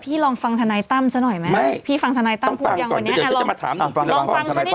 พี่ลองฟังธนัยตั้มจะหน่อยไหมไม่พี่ฟังธนัยตั้มพูดอย่างวันนี้อ่ะ